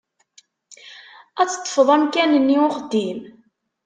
Ad teṭṭfeḍ amkan-nni uxeddim?